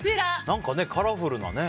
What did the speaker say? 何かね、カラフルなね。